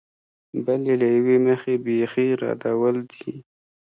بل یې له یوې مخې بېخي ردول دي.